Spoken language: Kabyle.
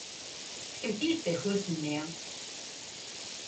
Fkemt-iyi-d takurt-nni!